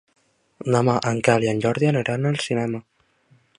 Demà en Quel i en Jordi aniran al cinema.